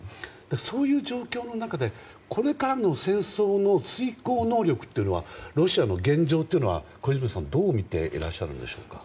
そういう状況の中でこれからの戦争の遂行能力というのはロシアの現状は小泉さんはどう見ていらっしゃるんでしょうか。